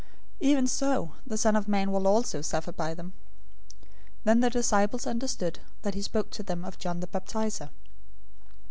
Even so the Son of Man will also suffer by them." 017:013 Then the disciples understood that he spoke to them of John the Baptizer.